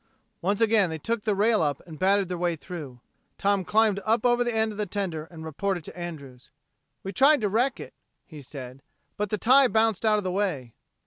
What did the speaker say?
Once again they took the rail up and battered their way through. Tom climbed up over the end of the tender and reported to Andrews. "We tried to wreck it," he said, "but the tie bounced out of the way."